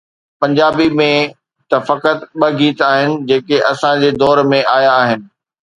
پنجابيءَ ۾ ته فقط ٻه گيت آهن، جيڪي اسان جي دور ۾ آيا آهن.